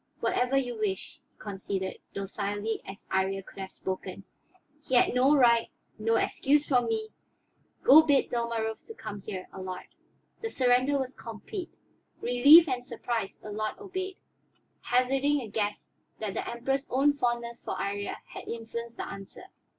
"Whatever you wish," he conceded, docilely as Iría could have spoken. "He had no right, no excuse from me. Go bid Dalmorov come here, Allard." The surrender was complete. Relieved and surprised, Allard obeyed, hazarding a guess that the Emperor's own fondness for Iría had influenced the answer.